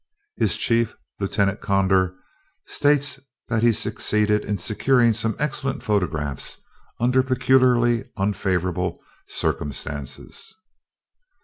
His chief, Lieutenant Conder, states that he succeeded in securing some excellent photographs "under peculiarly unfavorable circumstances."